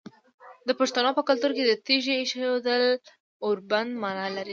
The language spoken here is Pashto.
د پښتنو په کلتور کې د تیږې ایښودل د اوربند معنی لري.